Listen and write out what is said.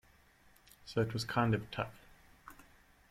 So it was kind of tough.